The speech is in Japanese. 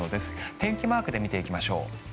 天気マークで見ていきましょう。